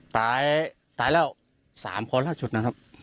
ตายตายแล้ว๓คนล่าสุดนะครับ